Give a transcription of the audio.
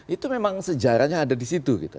itu memang sejarahnya ada di situ gitu